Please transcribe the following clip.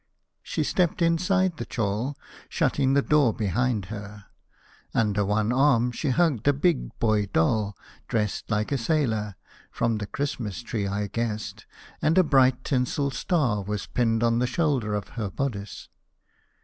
She stepped inside the chall, shutting the door behind her. Under one arm she hugged a big boy doll, dressed like a sailor from the Christmas tree, I guessed and a bright tinsel star was pinned on the shoulder of her bodice.